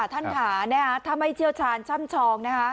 ท่านค่ะถ้าไม่เชี่ยวชาญช่ำชองนะคะ